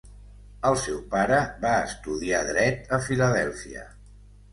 El seu pare va estudiar dret a Filadèlfia.